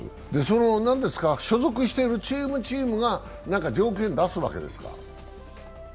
所属しているチーム、チームが何か条件出すわけですか？